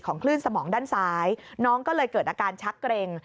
คลื่นสมองด้านซ้ายน้องก็เลยเกิดอาการชักเกร็ง